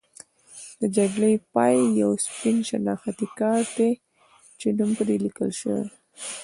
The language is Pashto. د جګړې پای یو سپین شناختي کارت دی چې نوم پرې لیکل شوی.